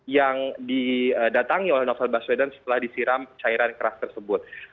yang didatangi oleh novel baswedan setelah disiram cairan keras tersebut